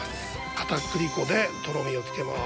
片栗粉でとろみをつけます。